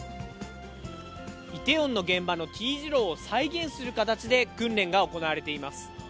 イテウォンの現場のＴ字路を再現する形で訓練が行われています。